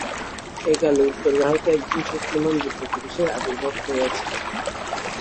এইকালে উত্তর-ভারতে একজন শক্তিমান দিব্য পুরুষের আবির্ভাব হইয়াছিল।